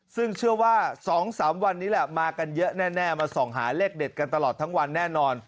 ซึ่งเชื่อว่า๒๓วันนี้แหละมากันเยอะแน่มาส่องหาเลขเด็ดกันตลอดทั้งวันแน่นอน